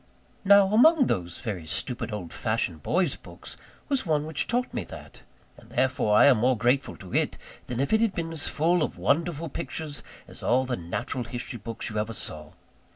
Now, among those very stupid old fashioned boys' books was one which taught me that; and therefore I am more grateful to it than if it had been as full of wonderful pictures as all the natural history books you ever saw.